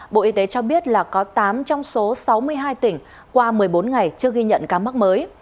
bộ y tế cho biết là có tám trong số sáu mươi hai tỉnh qua một mươi bốn ngày trước ghi nhận ca mắc mới